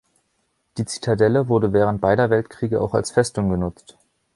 Die Zitadelle wurde während beider Weltkriege auch als Festung genutzt.